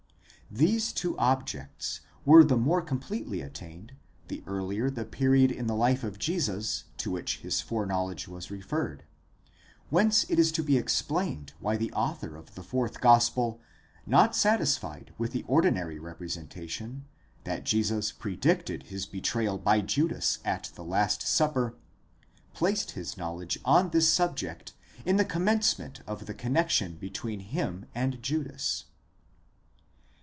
These two objects were the more completely attained, the earlier the period in the life of Jesus to which this foreknowledge was referred; whence it is to be explained why the author of the fourth gospel, not satisfied with the ordinary representation, that Jesus predicted his betrayal by Judas at the last supper, placed his knowledge on this subject in the commencement of the connexion between him and Judas.